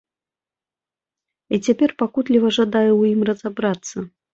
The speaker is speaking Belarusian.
І цяпер пакутліва жадаю ў ім разабрацца.